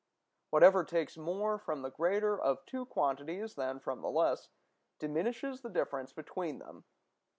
Whatever takes more from the greater of two quantities than from the less, diminishes the difference between them.